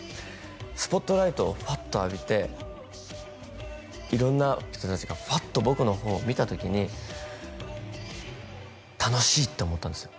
スポットライトをファッと浴びて色んな人達がファッと僕のほうを見た時に楽しいって思ったんですよ